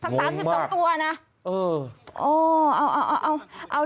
ตั้งสามสิบสองตัวนะเออเอาเอาเอาเอาเอาเอา